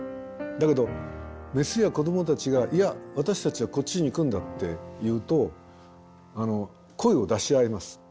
だけどメスや子どもたちが「いや私たちはこっちに行くんだ」って言うと声を出し合います。